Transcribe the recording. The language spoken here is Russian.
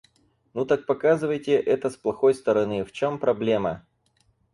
Ну так показывайте это с плохой стороны, в чём проблема?